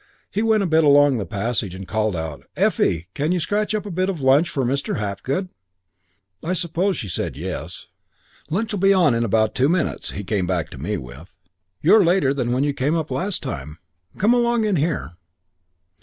He went a bit along the passage and called out, 'Effie, you can scratch up a bit of lunch for Mr. Hapgood?' "I suppose she said Yes. 'Lunch'll be on in about two minutes,' he came back to me with. 'You're later than when you came up last time. Come along in here.'